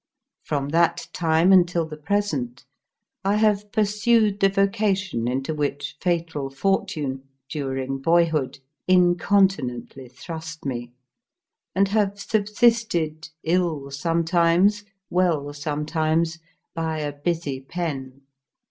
Erom that time until the present I have pursued the vocation into which fatal Fortune, during boyhood, incon tinently thrust me, and have subsisted, ill sometimes, well sometimes, by a busy pen.